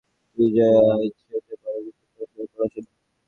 তুমি যা ইচ্ছে হতে পারো -কিন্তু প্রথমে, পড়াশোনা?